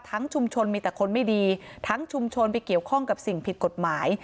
ชุมชนมีแต่คนไม่ดีทั้งชุมชนไปเกี่ยวข้องกับสิ่งผิดกฎหมาย